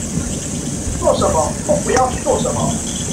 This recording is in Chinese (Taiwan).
做什麼或不要去做什麼